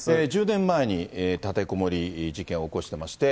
１０年前に立てこもり事件を起こしてまして。